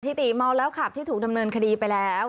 ติเมาแล้วขับที่ถูกดำเนินคดีไปแล้ว